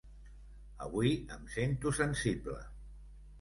Avui em sento sensible.